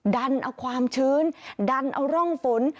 ดันเอาความชื้นดันเอาร่องฝน